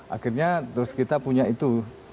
akhirnya terus kita punya itu